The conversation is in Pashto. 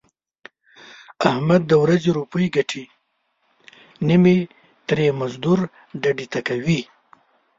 احمد د ورځې روپۍ ګټي نیمې ترې مزدور ډډې ته کوي.